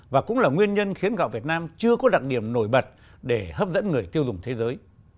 và cũng là nguyên nhân khiến gạo việt nam chưa có đặc điểm nổi bật để hấp dẫn người tiêu dùng thế giới